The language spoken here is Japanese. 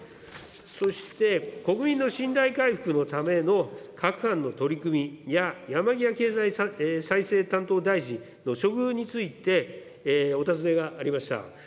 そして、国民の信頼回復のための各般の取り組みや、山際経済再生担当大臣の処遇についてお尋ねがありました。